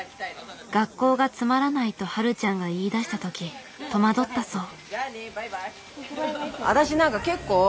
「学校がつまらない」とはるちゃんが言いだした時戸惑ったそう。